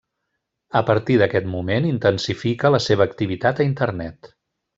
A partir d'aquest moment intensifica la seva activitat a internet.